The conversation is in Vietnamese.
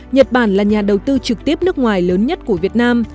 nhật bản là nhà đầu tư trực tiếp nước ngoài lớn nhất của việt nam